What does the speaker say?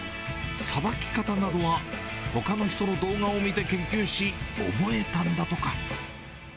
さばき方などはほかの人の動画を見て研究し、覚えたんだとか。